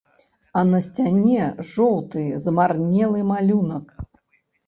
А на сцяне жоўты змарнелы малюнак.